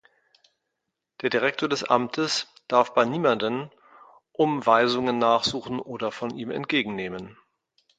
Der Direktor des Amtes darf bei niemandem um Weisungen nachsuchen oder von ihm entgegennehmen.